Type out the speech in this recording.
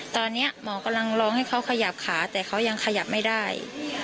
ตอนนี้หมอกำลังร้องให้เขาขยับขาแต่เขายังขยับไม่ได้